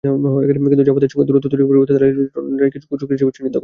কিন্তু জামায়াতের সঙ্গে দূরত্ব তৈরির পরিবর্তে তারা লিন্টনারকেই কুচক্রী চিহ্নিত করে।